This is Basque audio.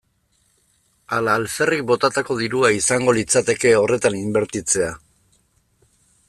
Ala alferrik botatako dirua izango litzateke horretan inbertitzea?